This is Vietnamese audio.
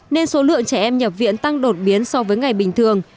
nên số lượng trẻ em nhập viện tăng đột biến so với ngày bình thường